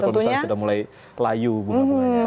kalau misalnya sudah mulai layu bunga bunganya